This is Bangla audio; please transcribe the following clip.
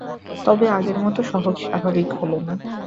তবে আগের মতো সহজ-স্বাভাবিক হল না।